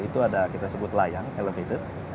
itu ada kita sebut layang elevated